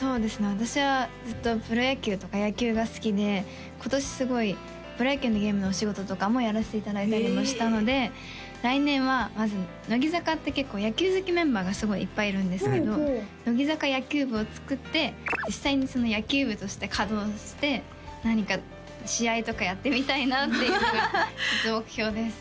私はずっとプロ野球とか野球が好きで今年すごいプロ野球のゲームのお仕事とかもやらせていただいたりもしたので来年はまず乃木坂って結構野球好きメンバーがすごいいっぱいいるんですけど乃木坂野球部を作って実際に野球部として稼働して何か試合とかやってみたいなっていうのが一応目標です